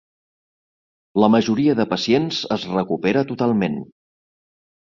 La majoria de pacients es recupera totalment.